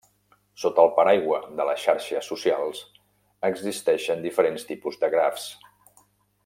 Sota el paraigua de les xarxes socials existeixen diferents tipus de grafs.